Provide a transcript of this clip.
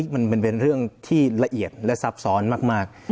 มันเป็นเรื่องที่ละเอียดและซับซ้อนมาก